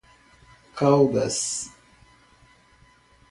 Caldas